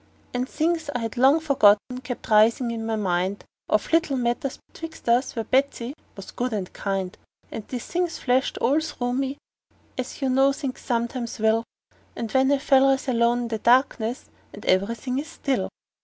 And things I had long forgotten kept risin' in my mind, Of little matters betwixt us, where Betsey was good and kind; And these things flashed all through me, as you know things sometimes will When a feller's alone in the darkness, and every thing is still.